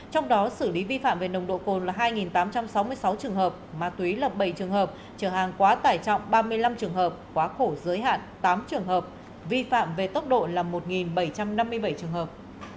trong đó xử lý vi phạm về nồng độ cồn là hai tám trăm sáu mươi sáu trường hợp ma túy là bảy trường hợp trường hàng quá tải trọng ba mươi năm trường hợp quá khổ giới hạn tám trường hợp vi phạm về tốc độ là một bảy trăm năm mươi bảy trường hợp